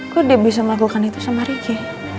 kok dia bisa melakukan itu sama ricky